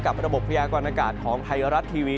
ระบบพยากรณากาศของไทยรัฐทีวี